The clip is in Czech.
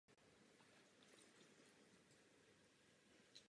Oltář Panny Marie je rokokový.